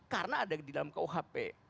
karena ada di dalam kuhp